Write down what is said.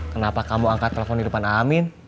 kenapa kamu angkat telepon di depan amin